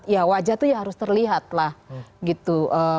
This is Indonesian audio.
ya wajah itu ya harus terlihatlah gitu